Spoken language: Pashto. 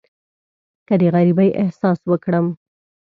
که د غریبۍ احساس وکړم.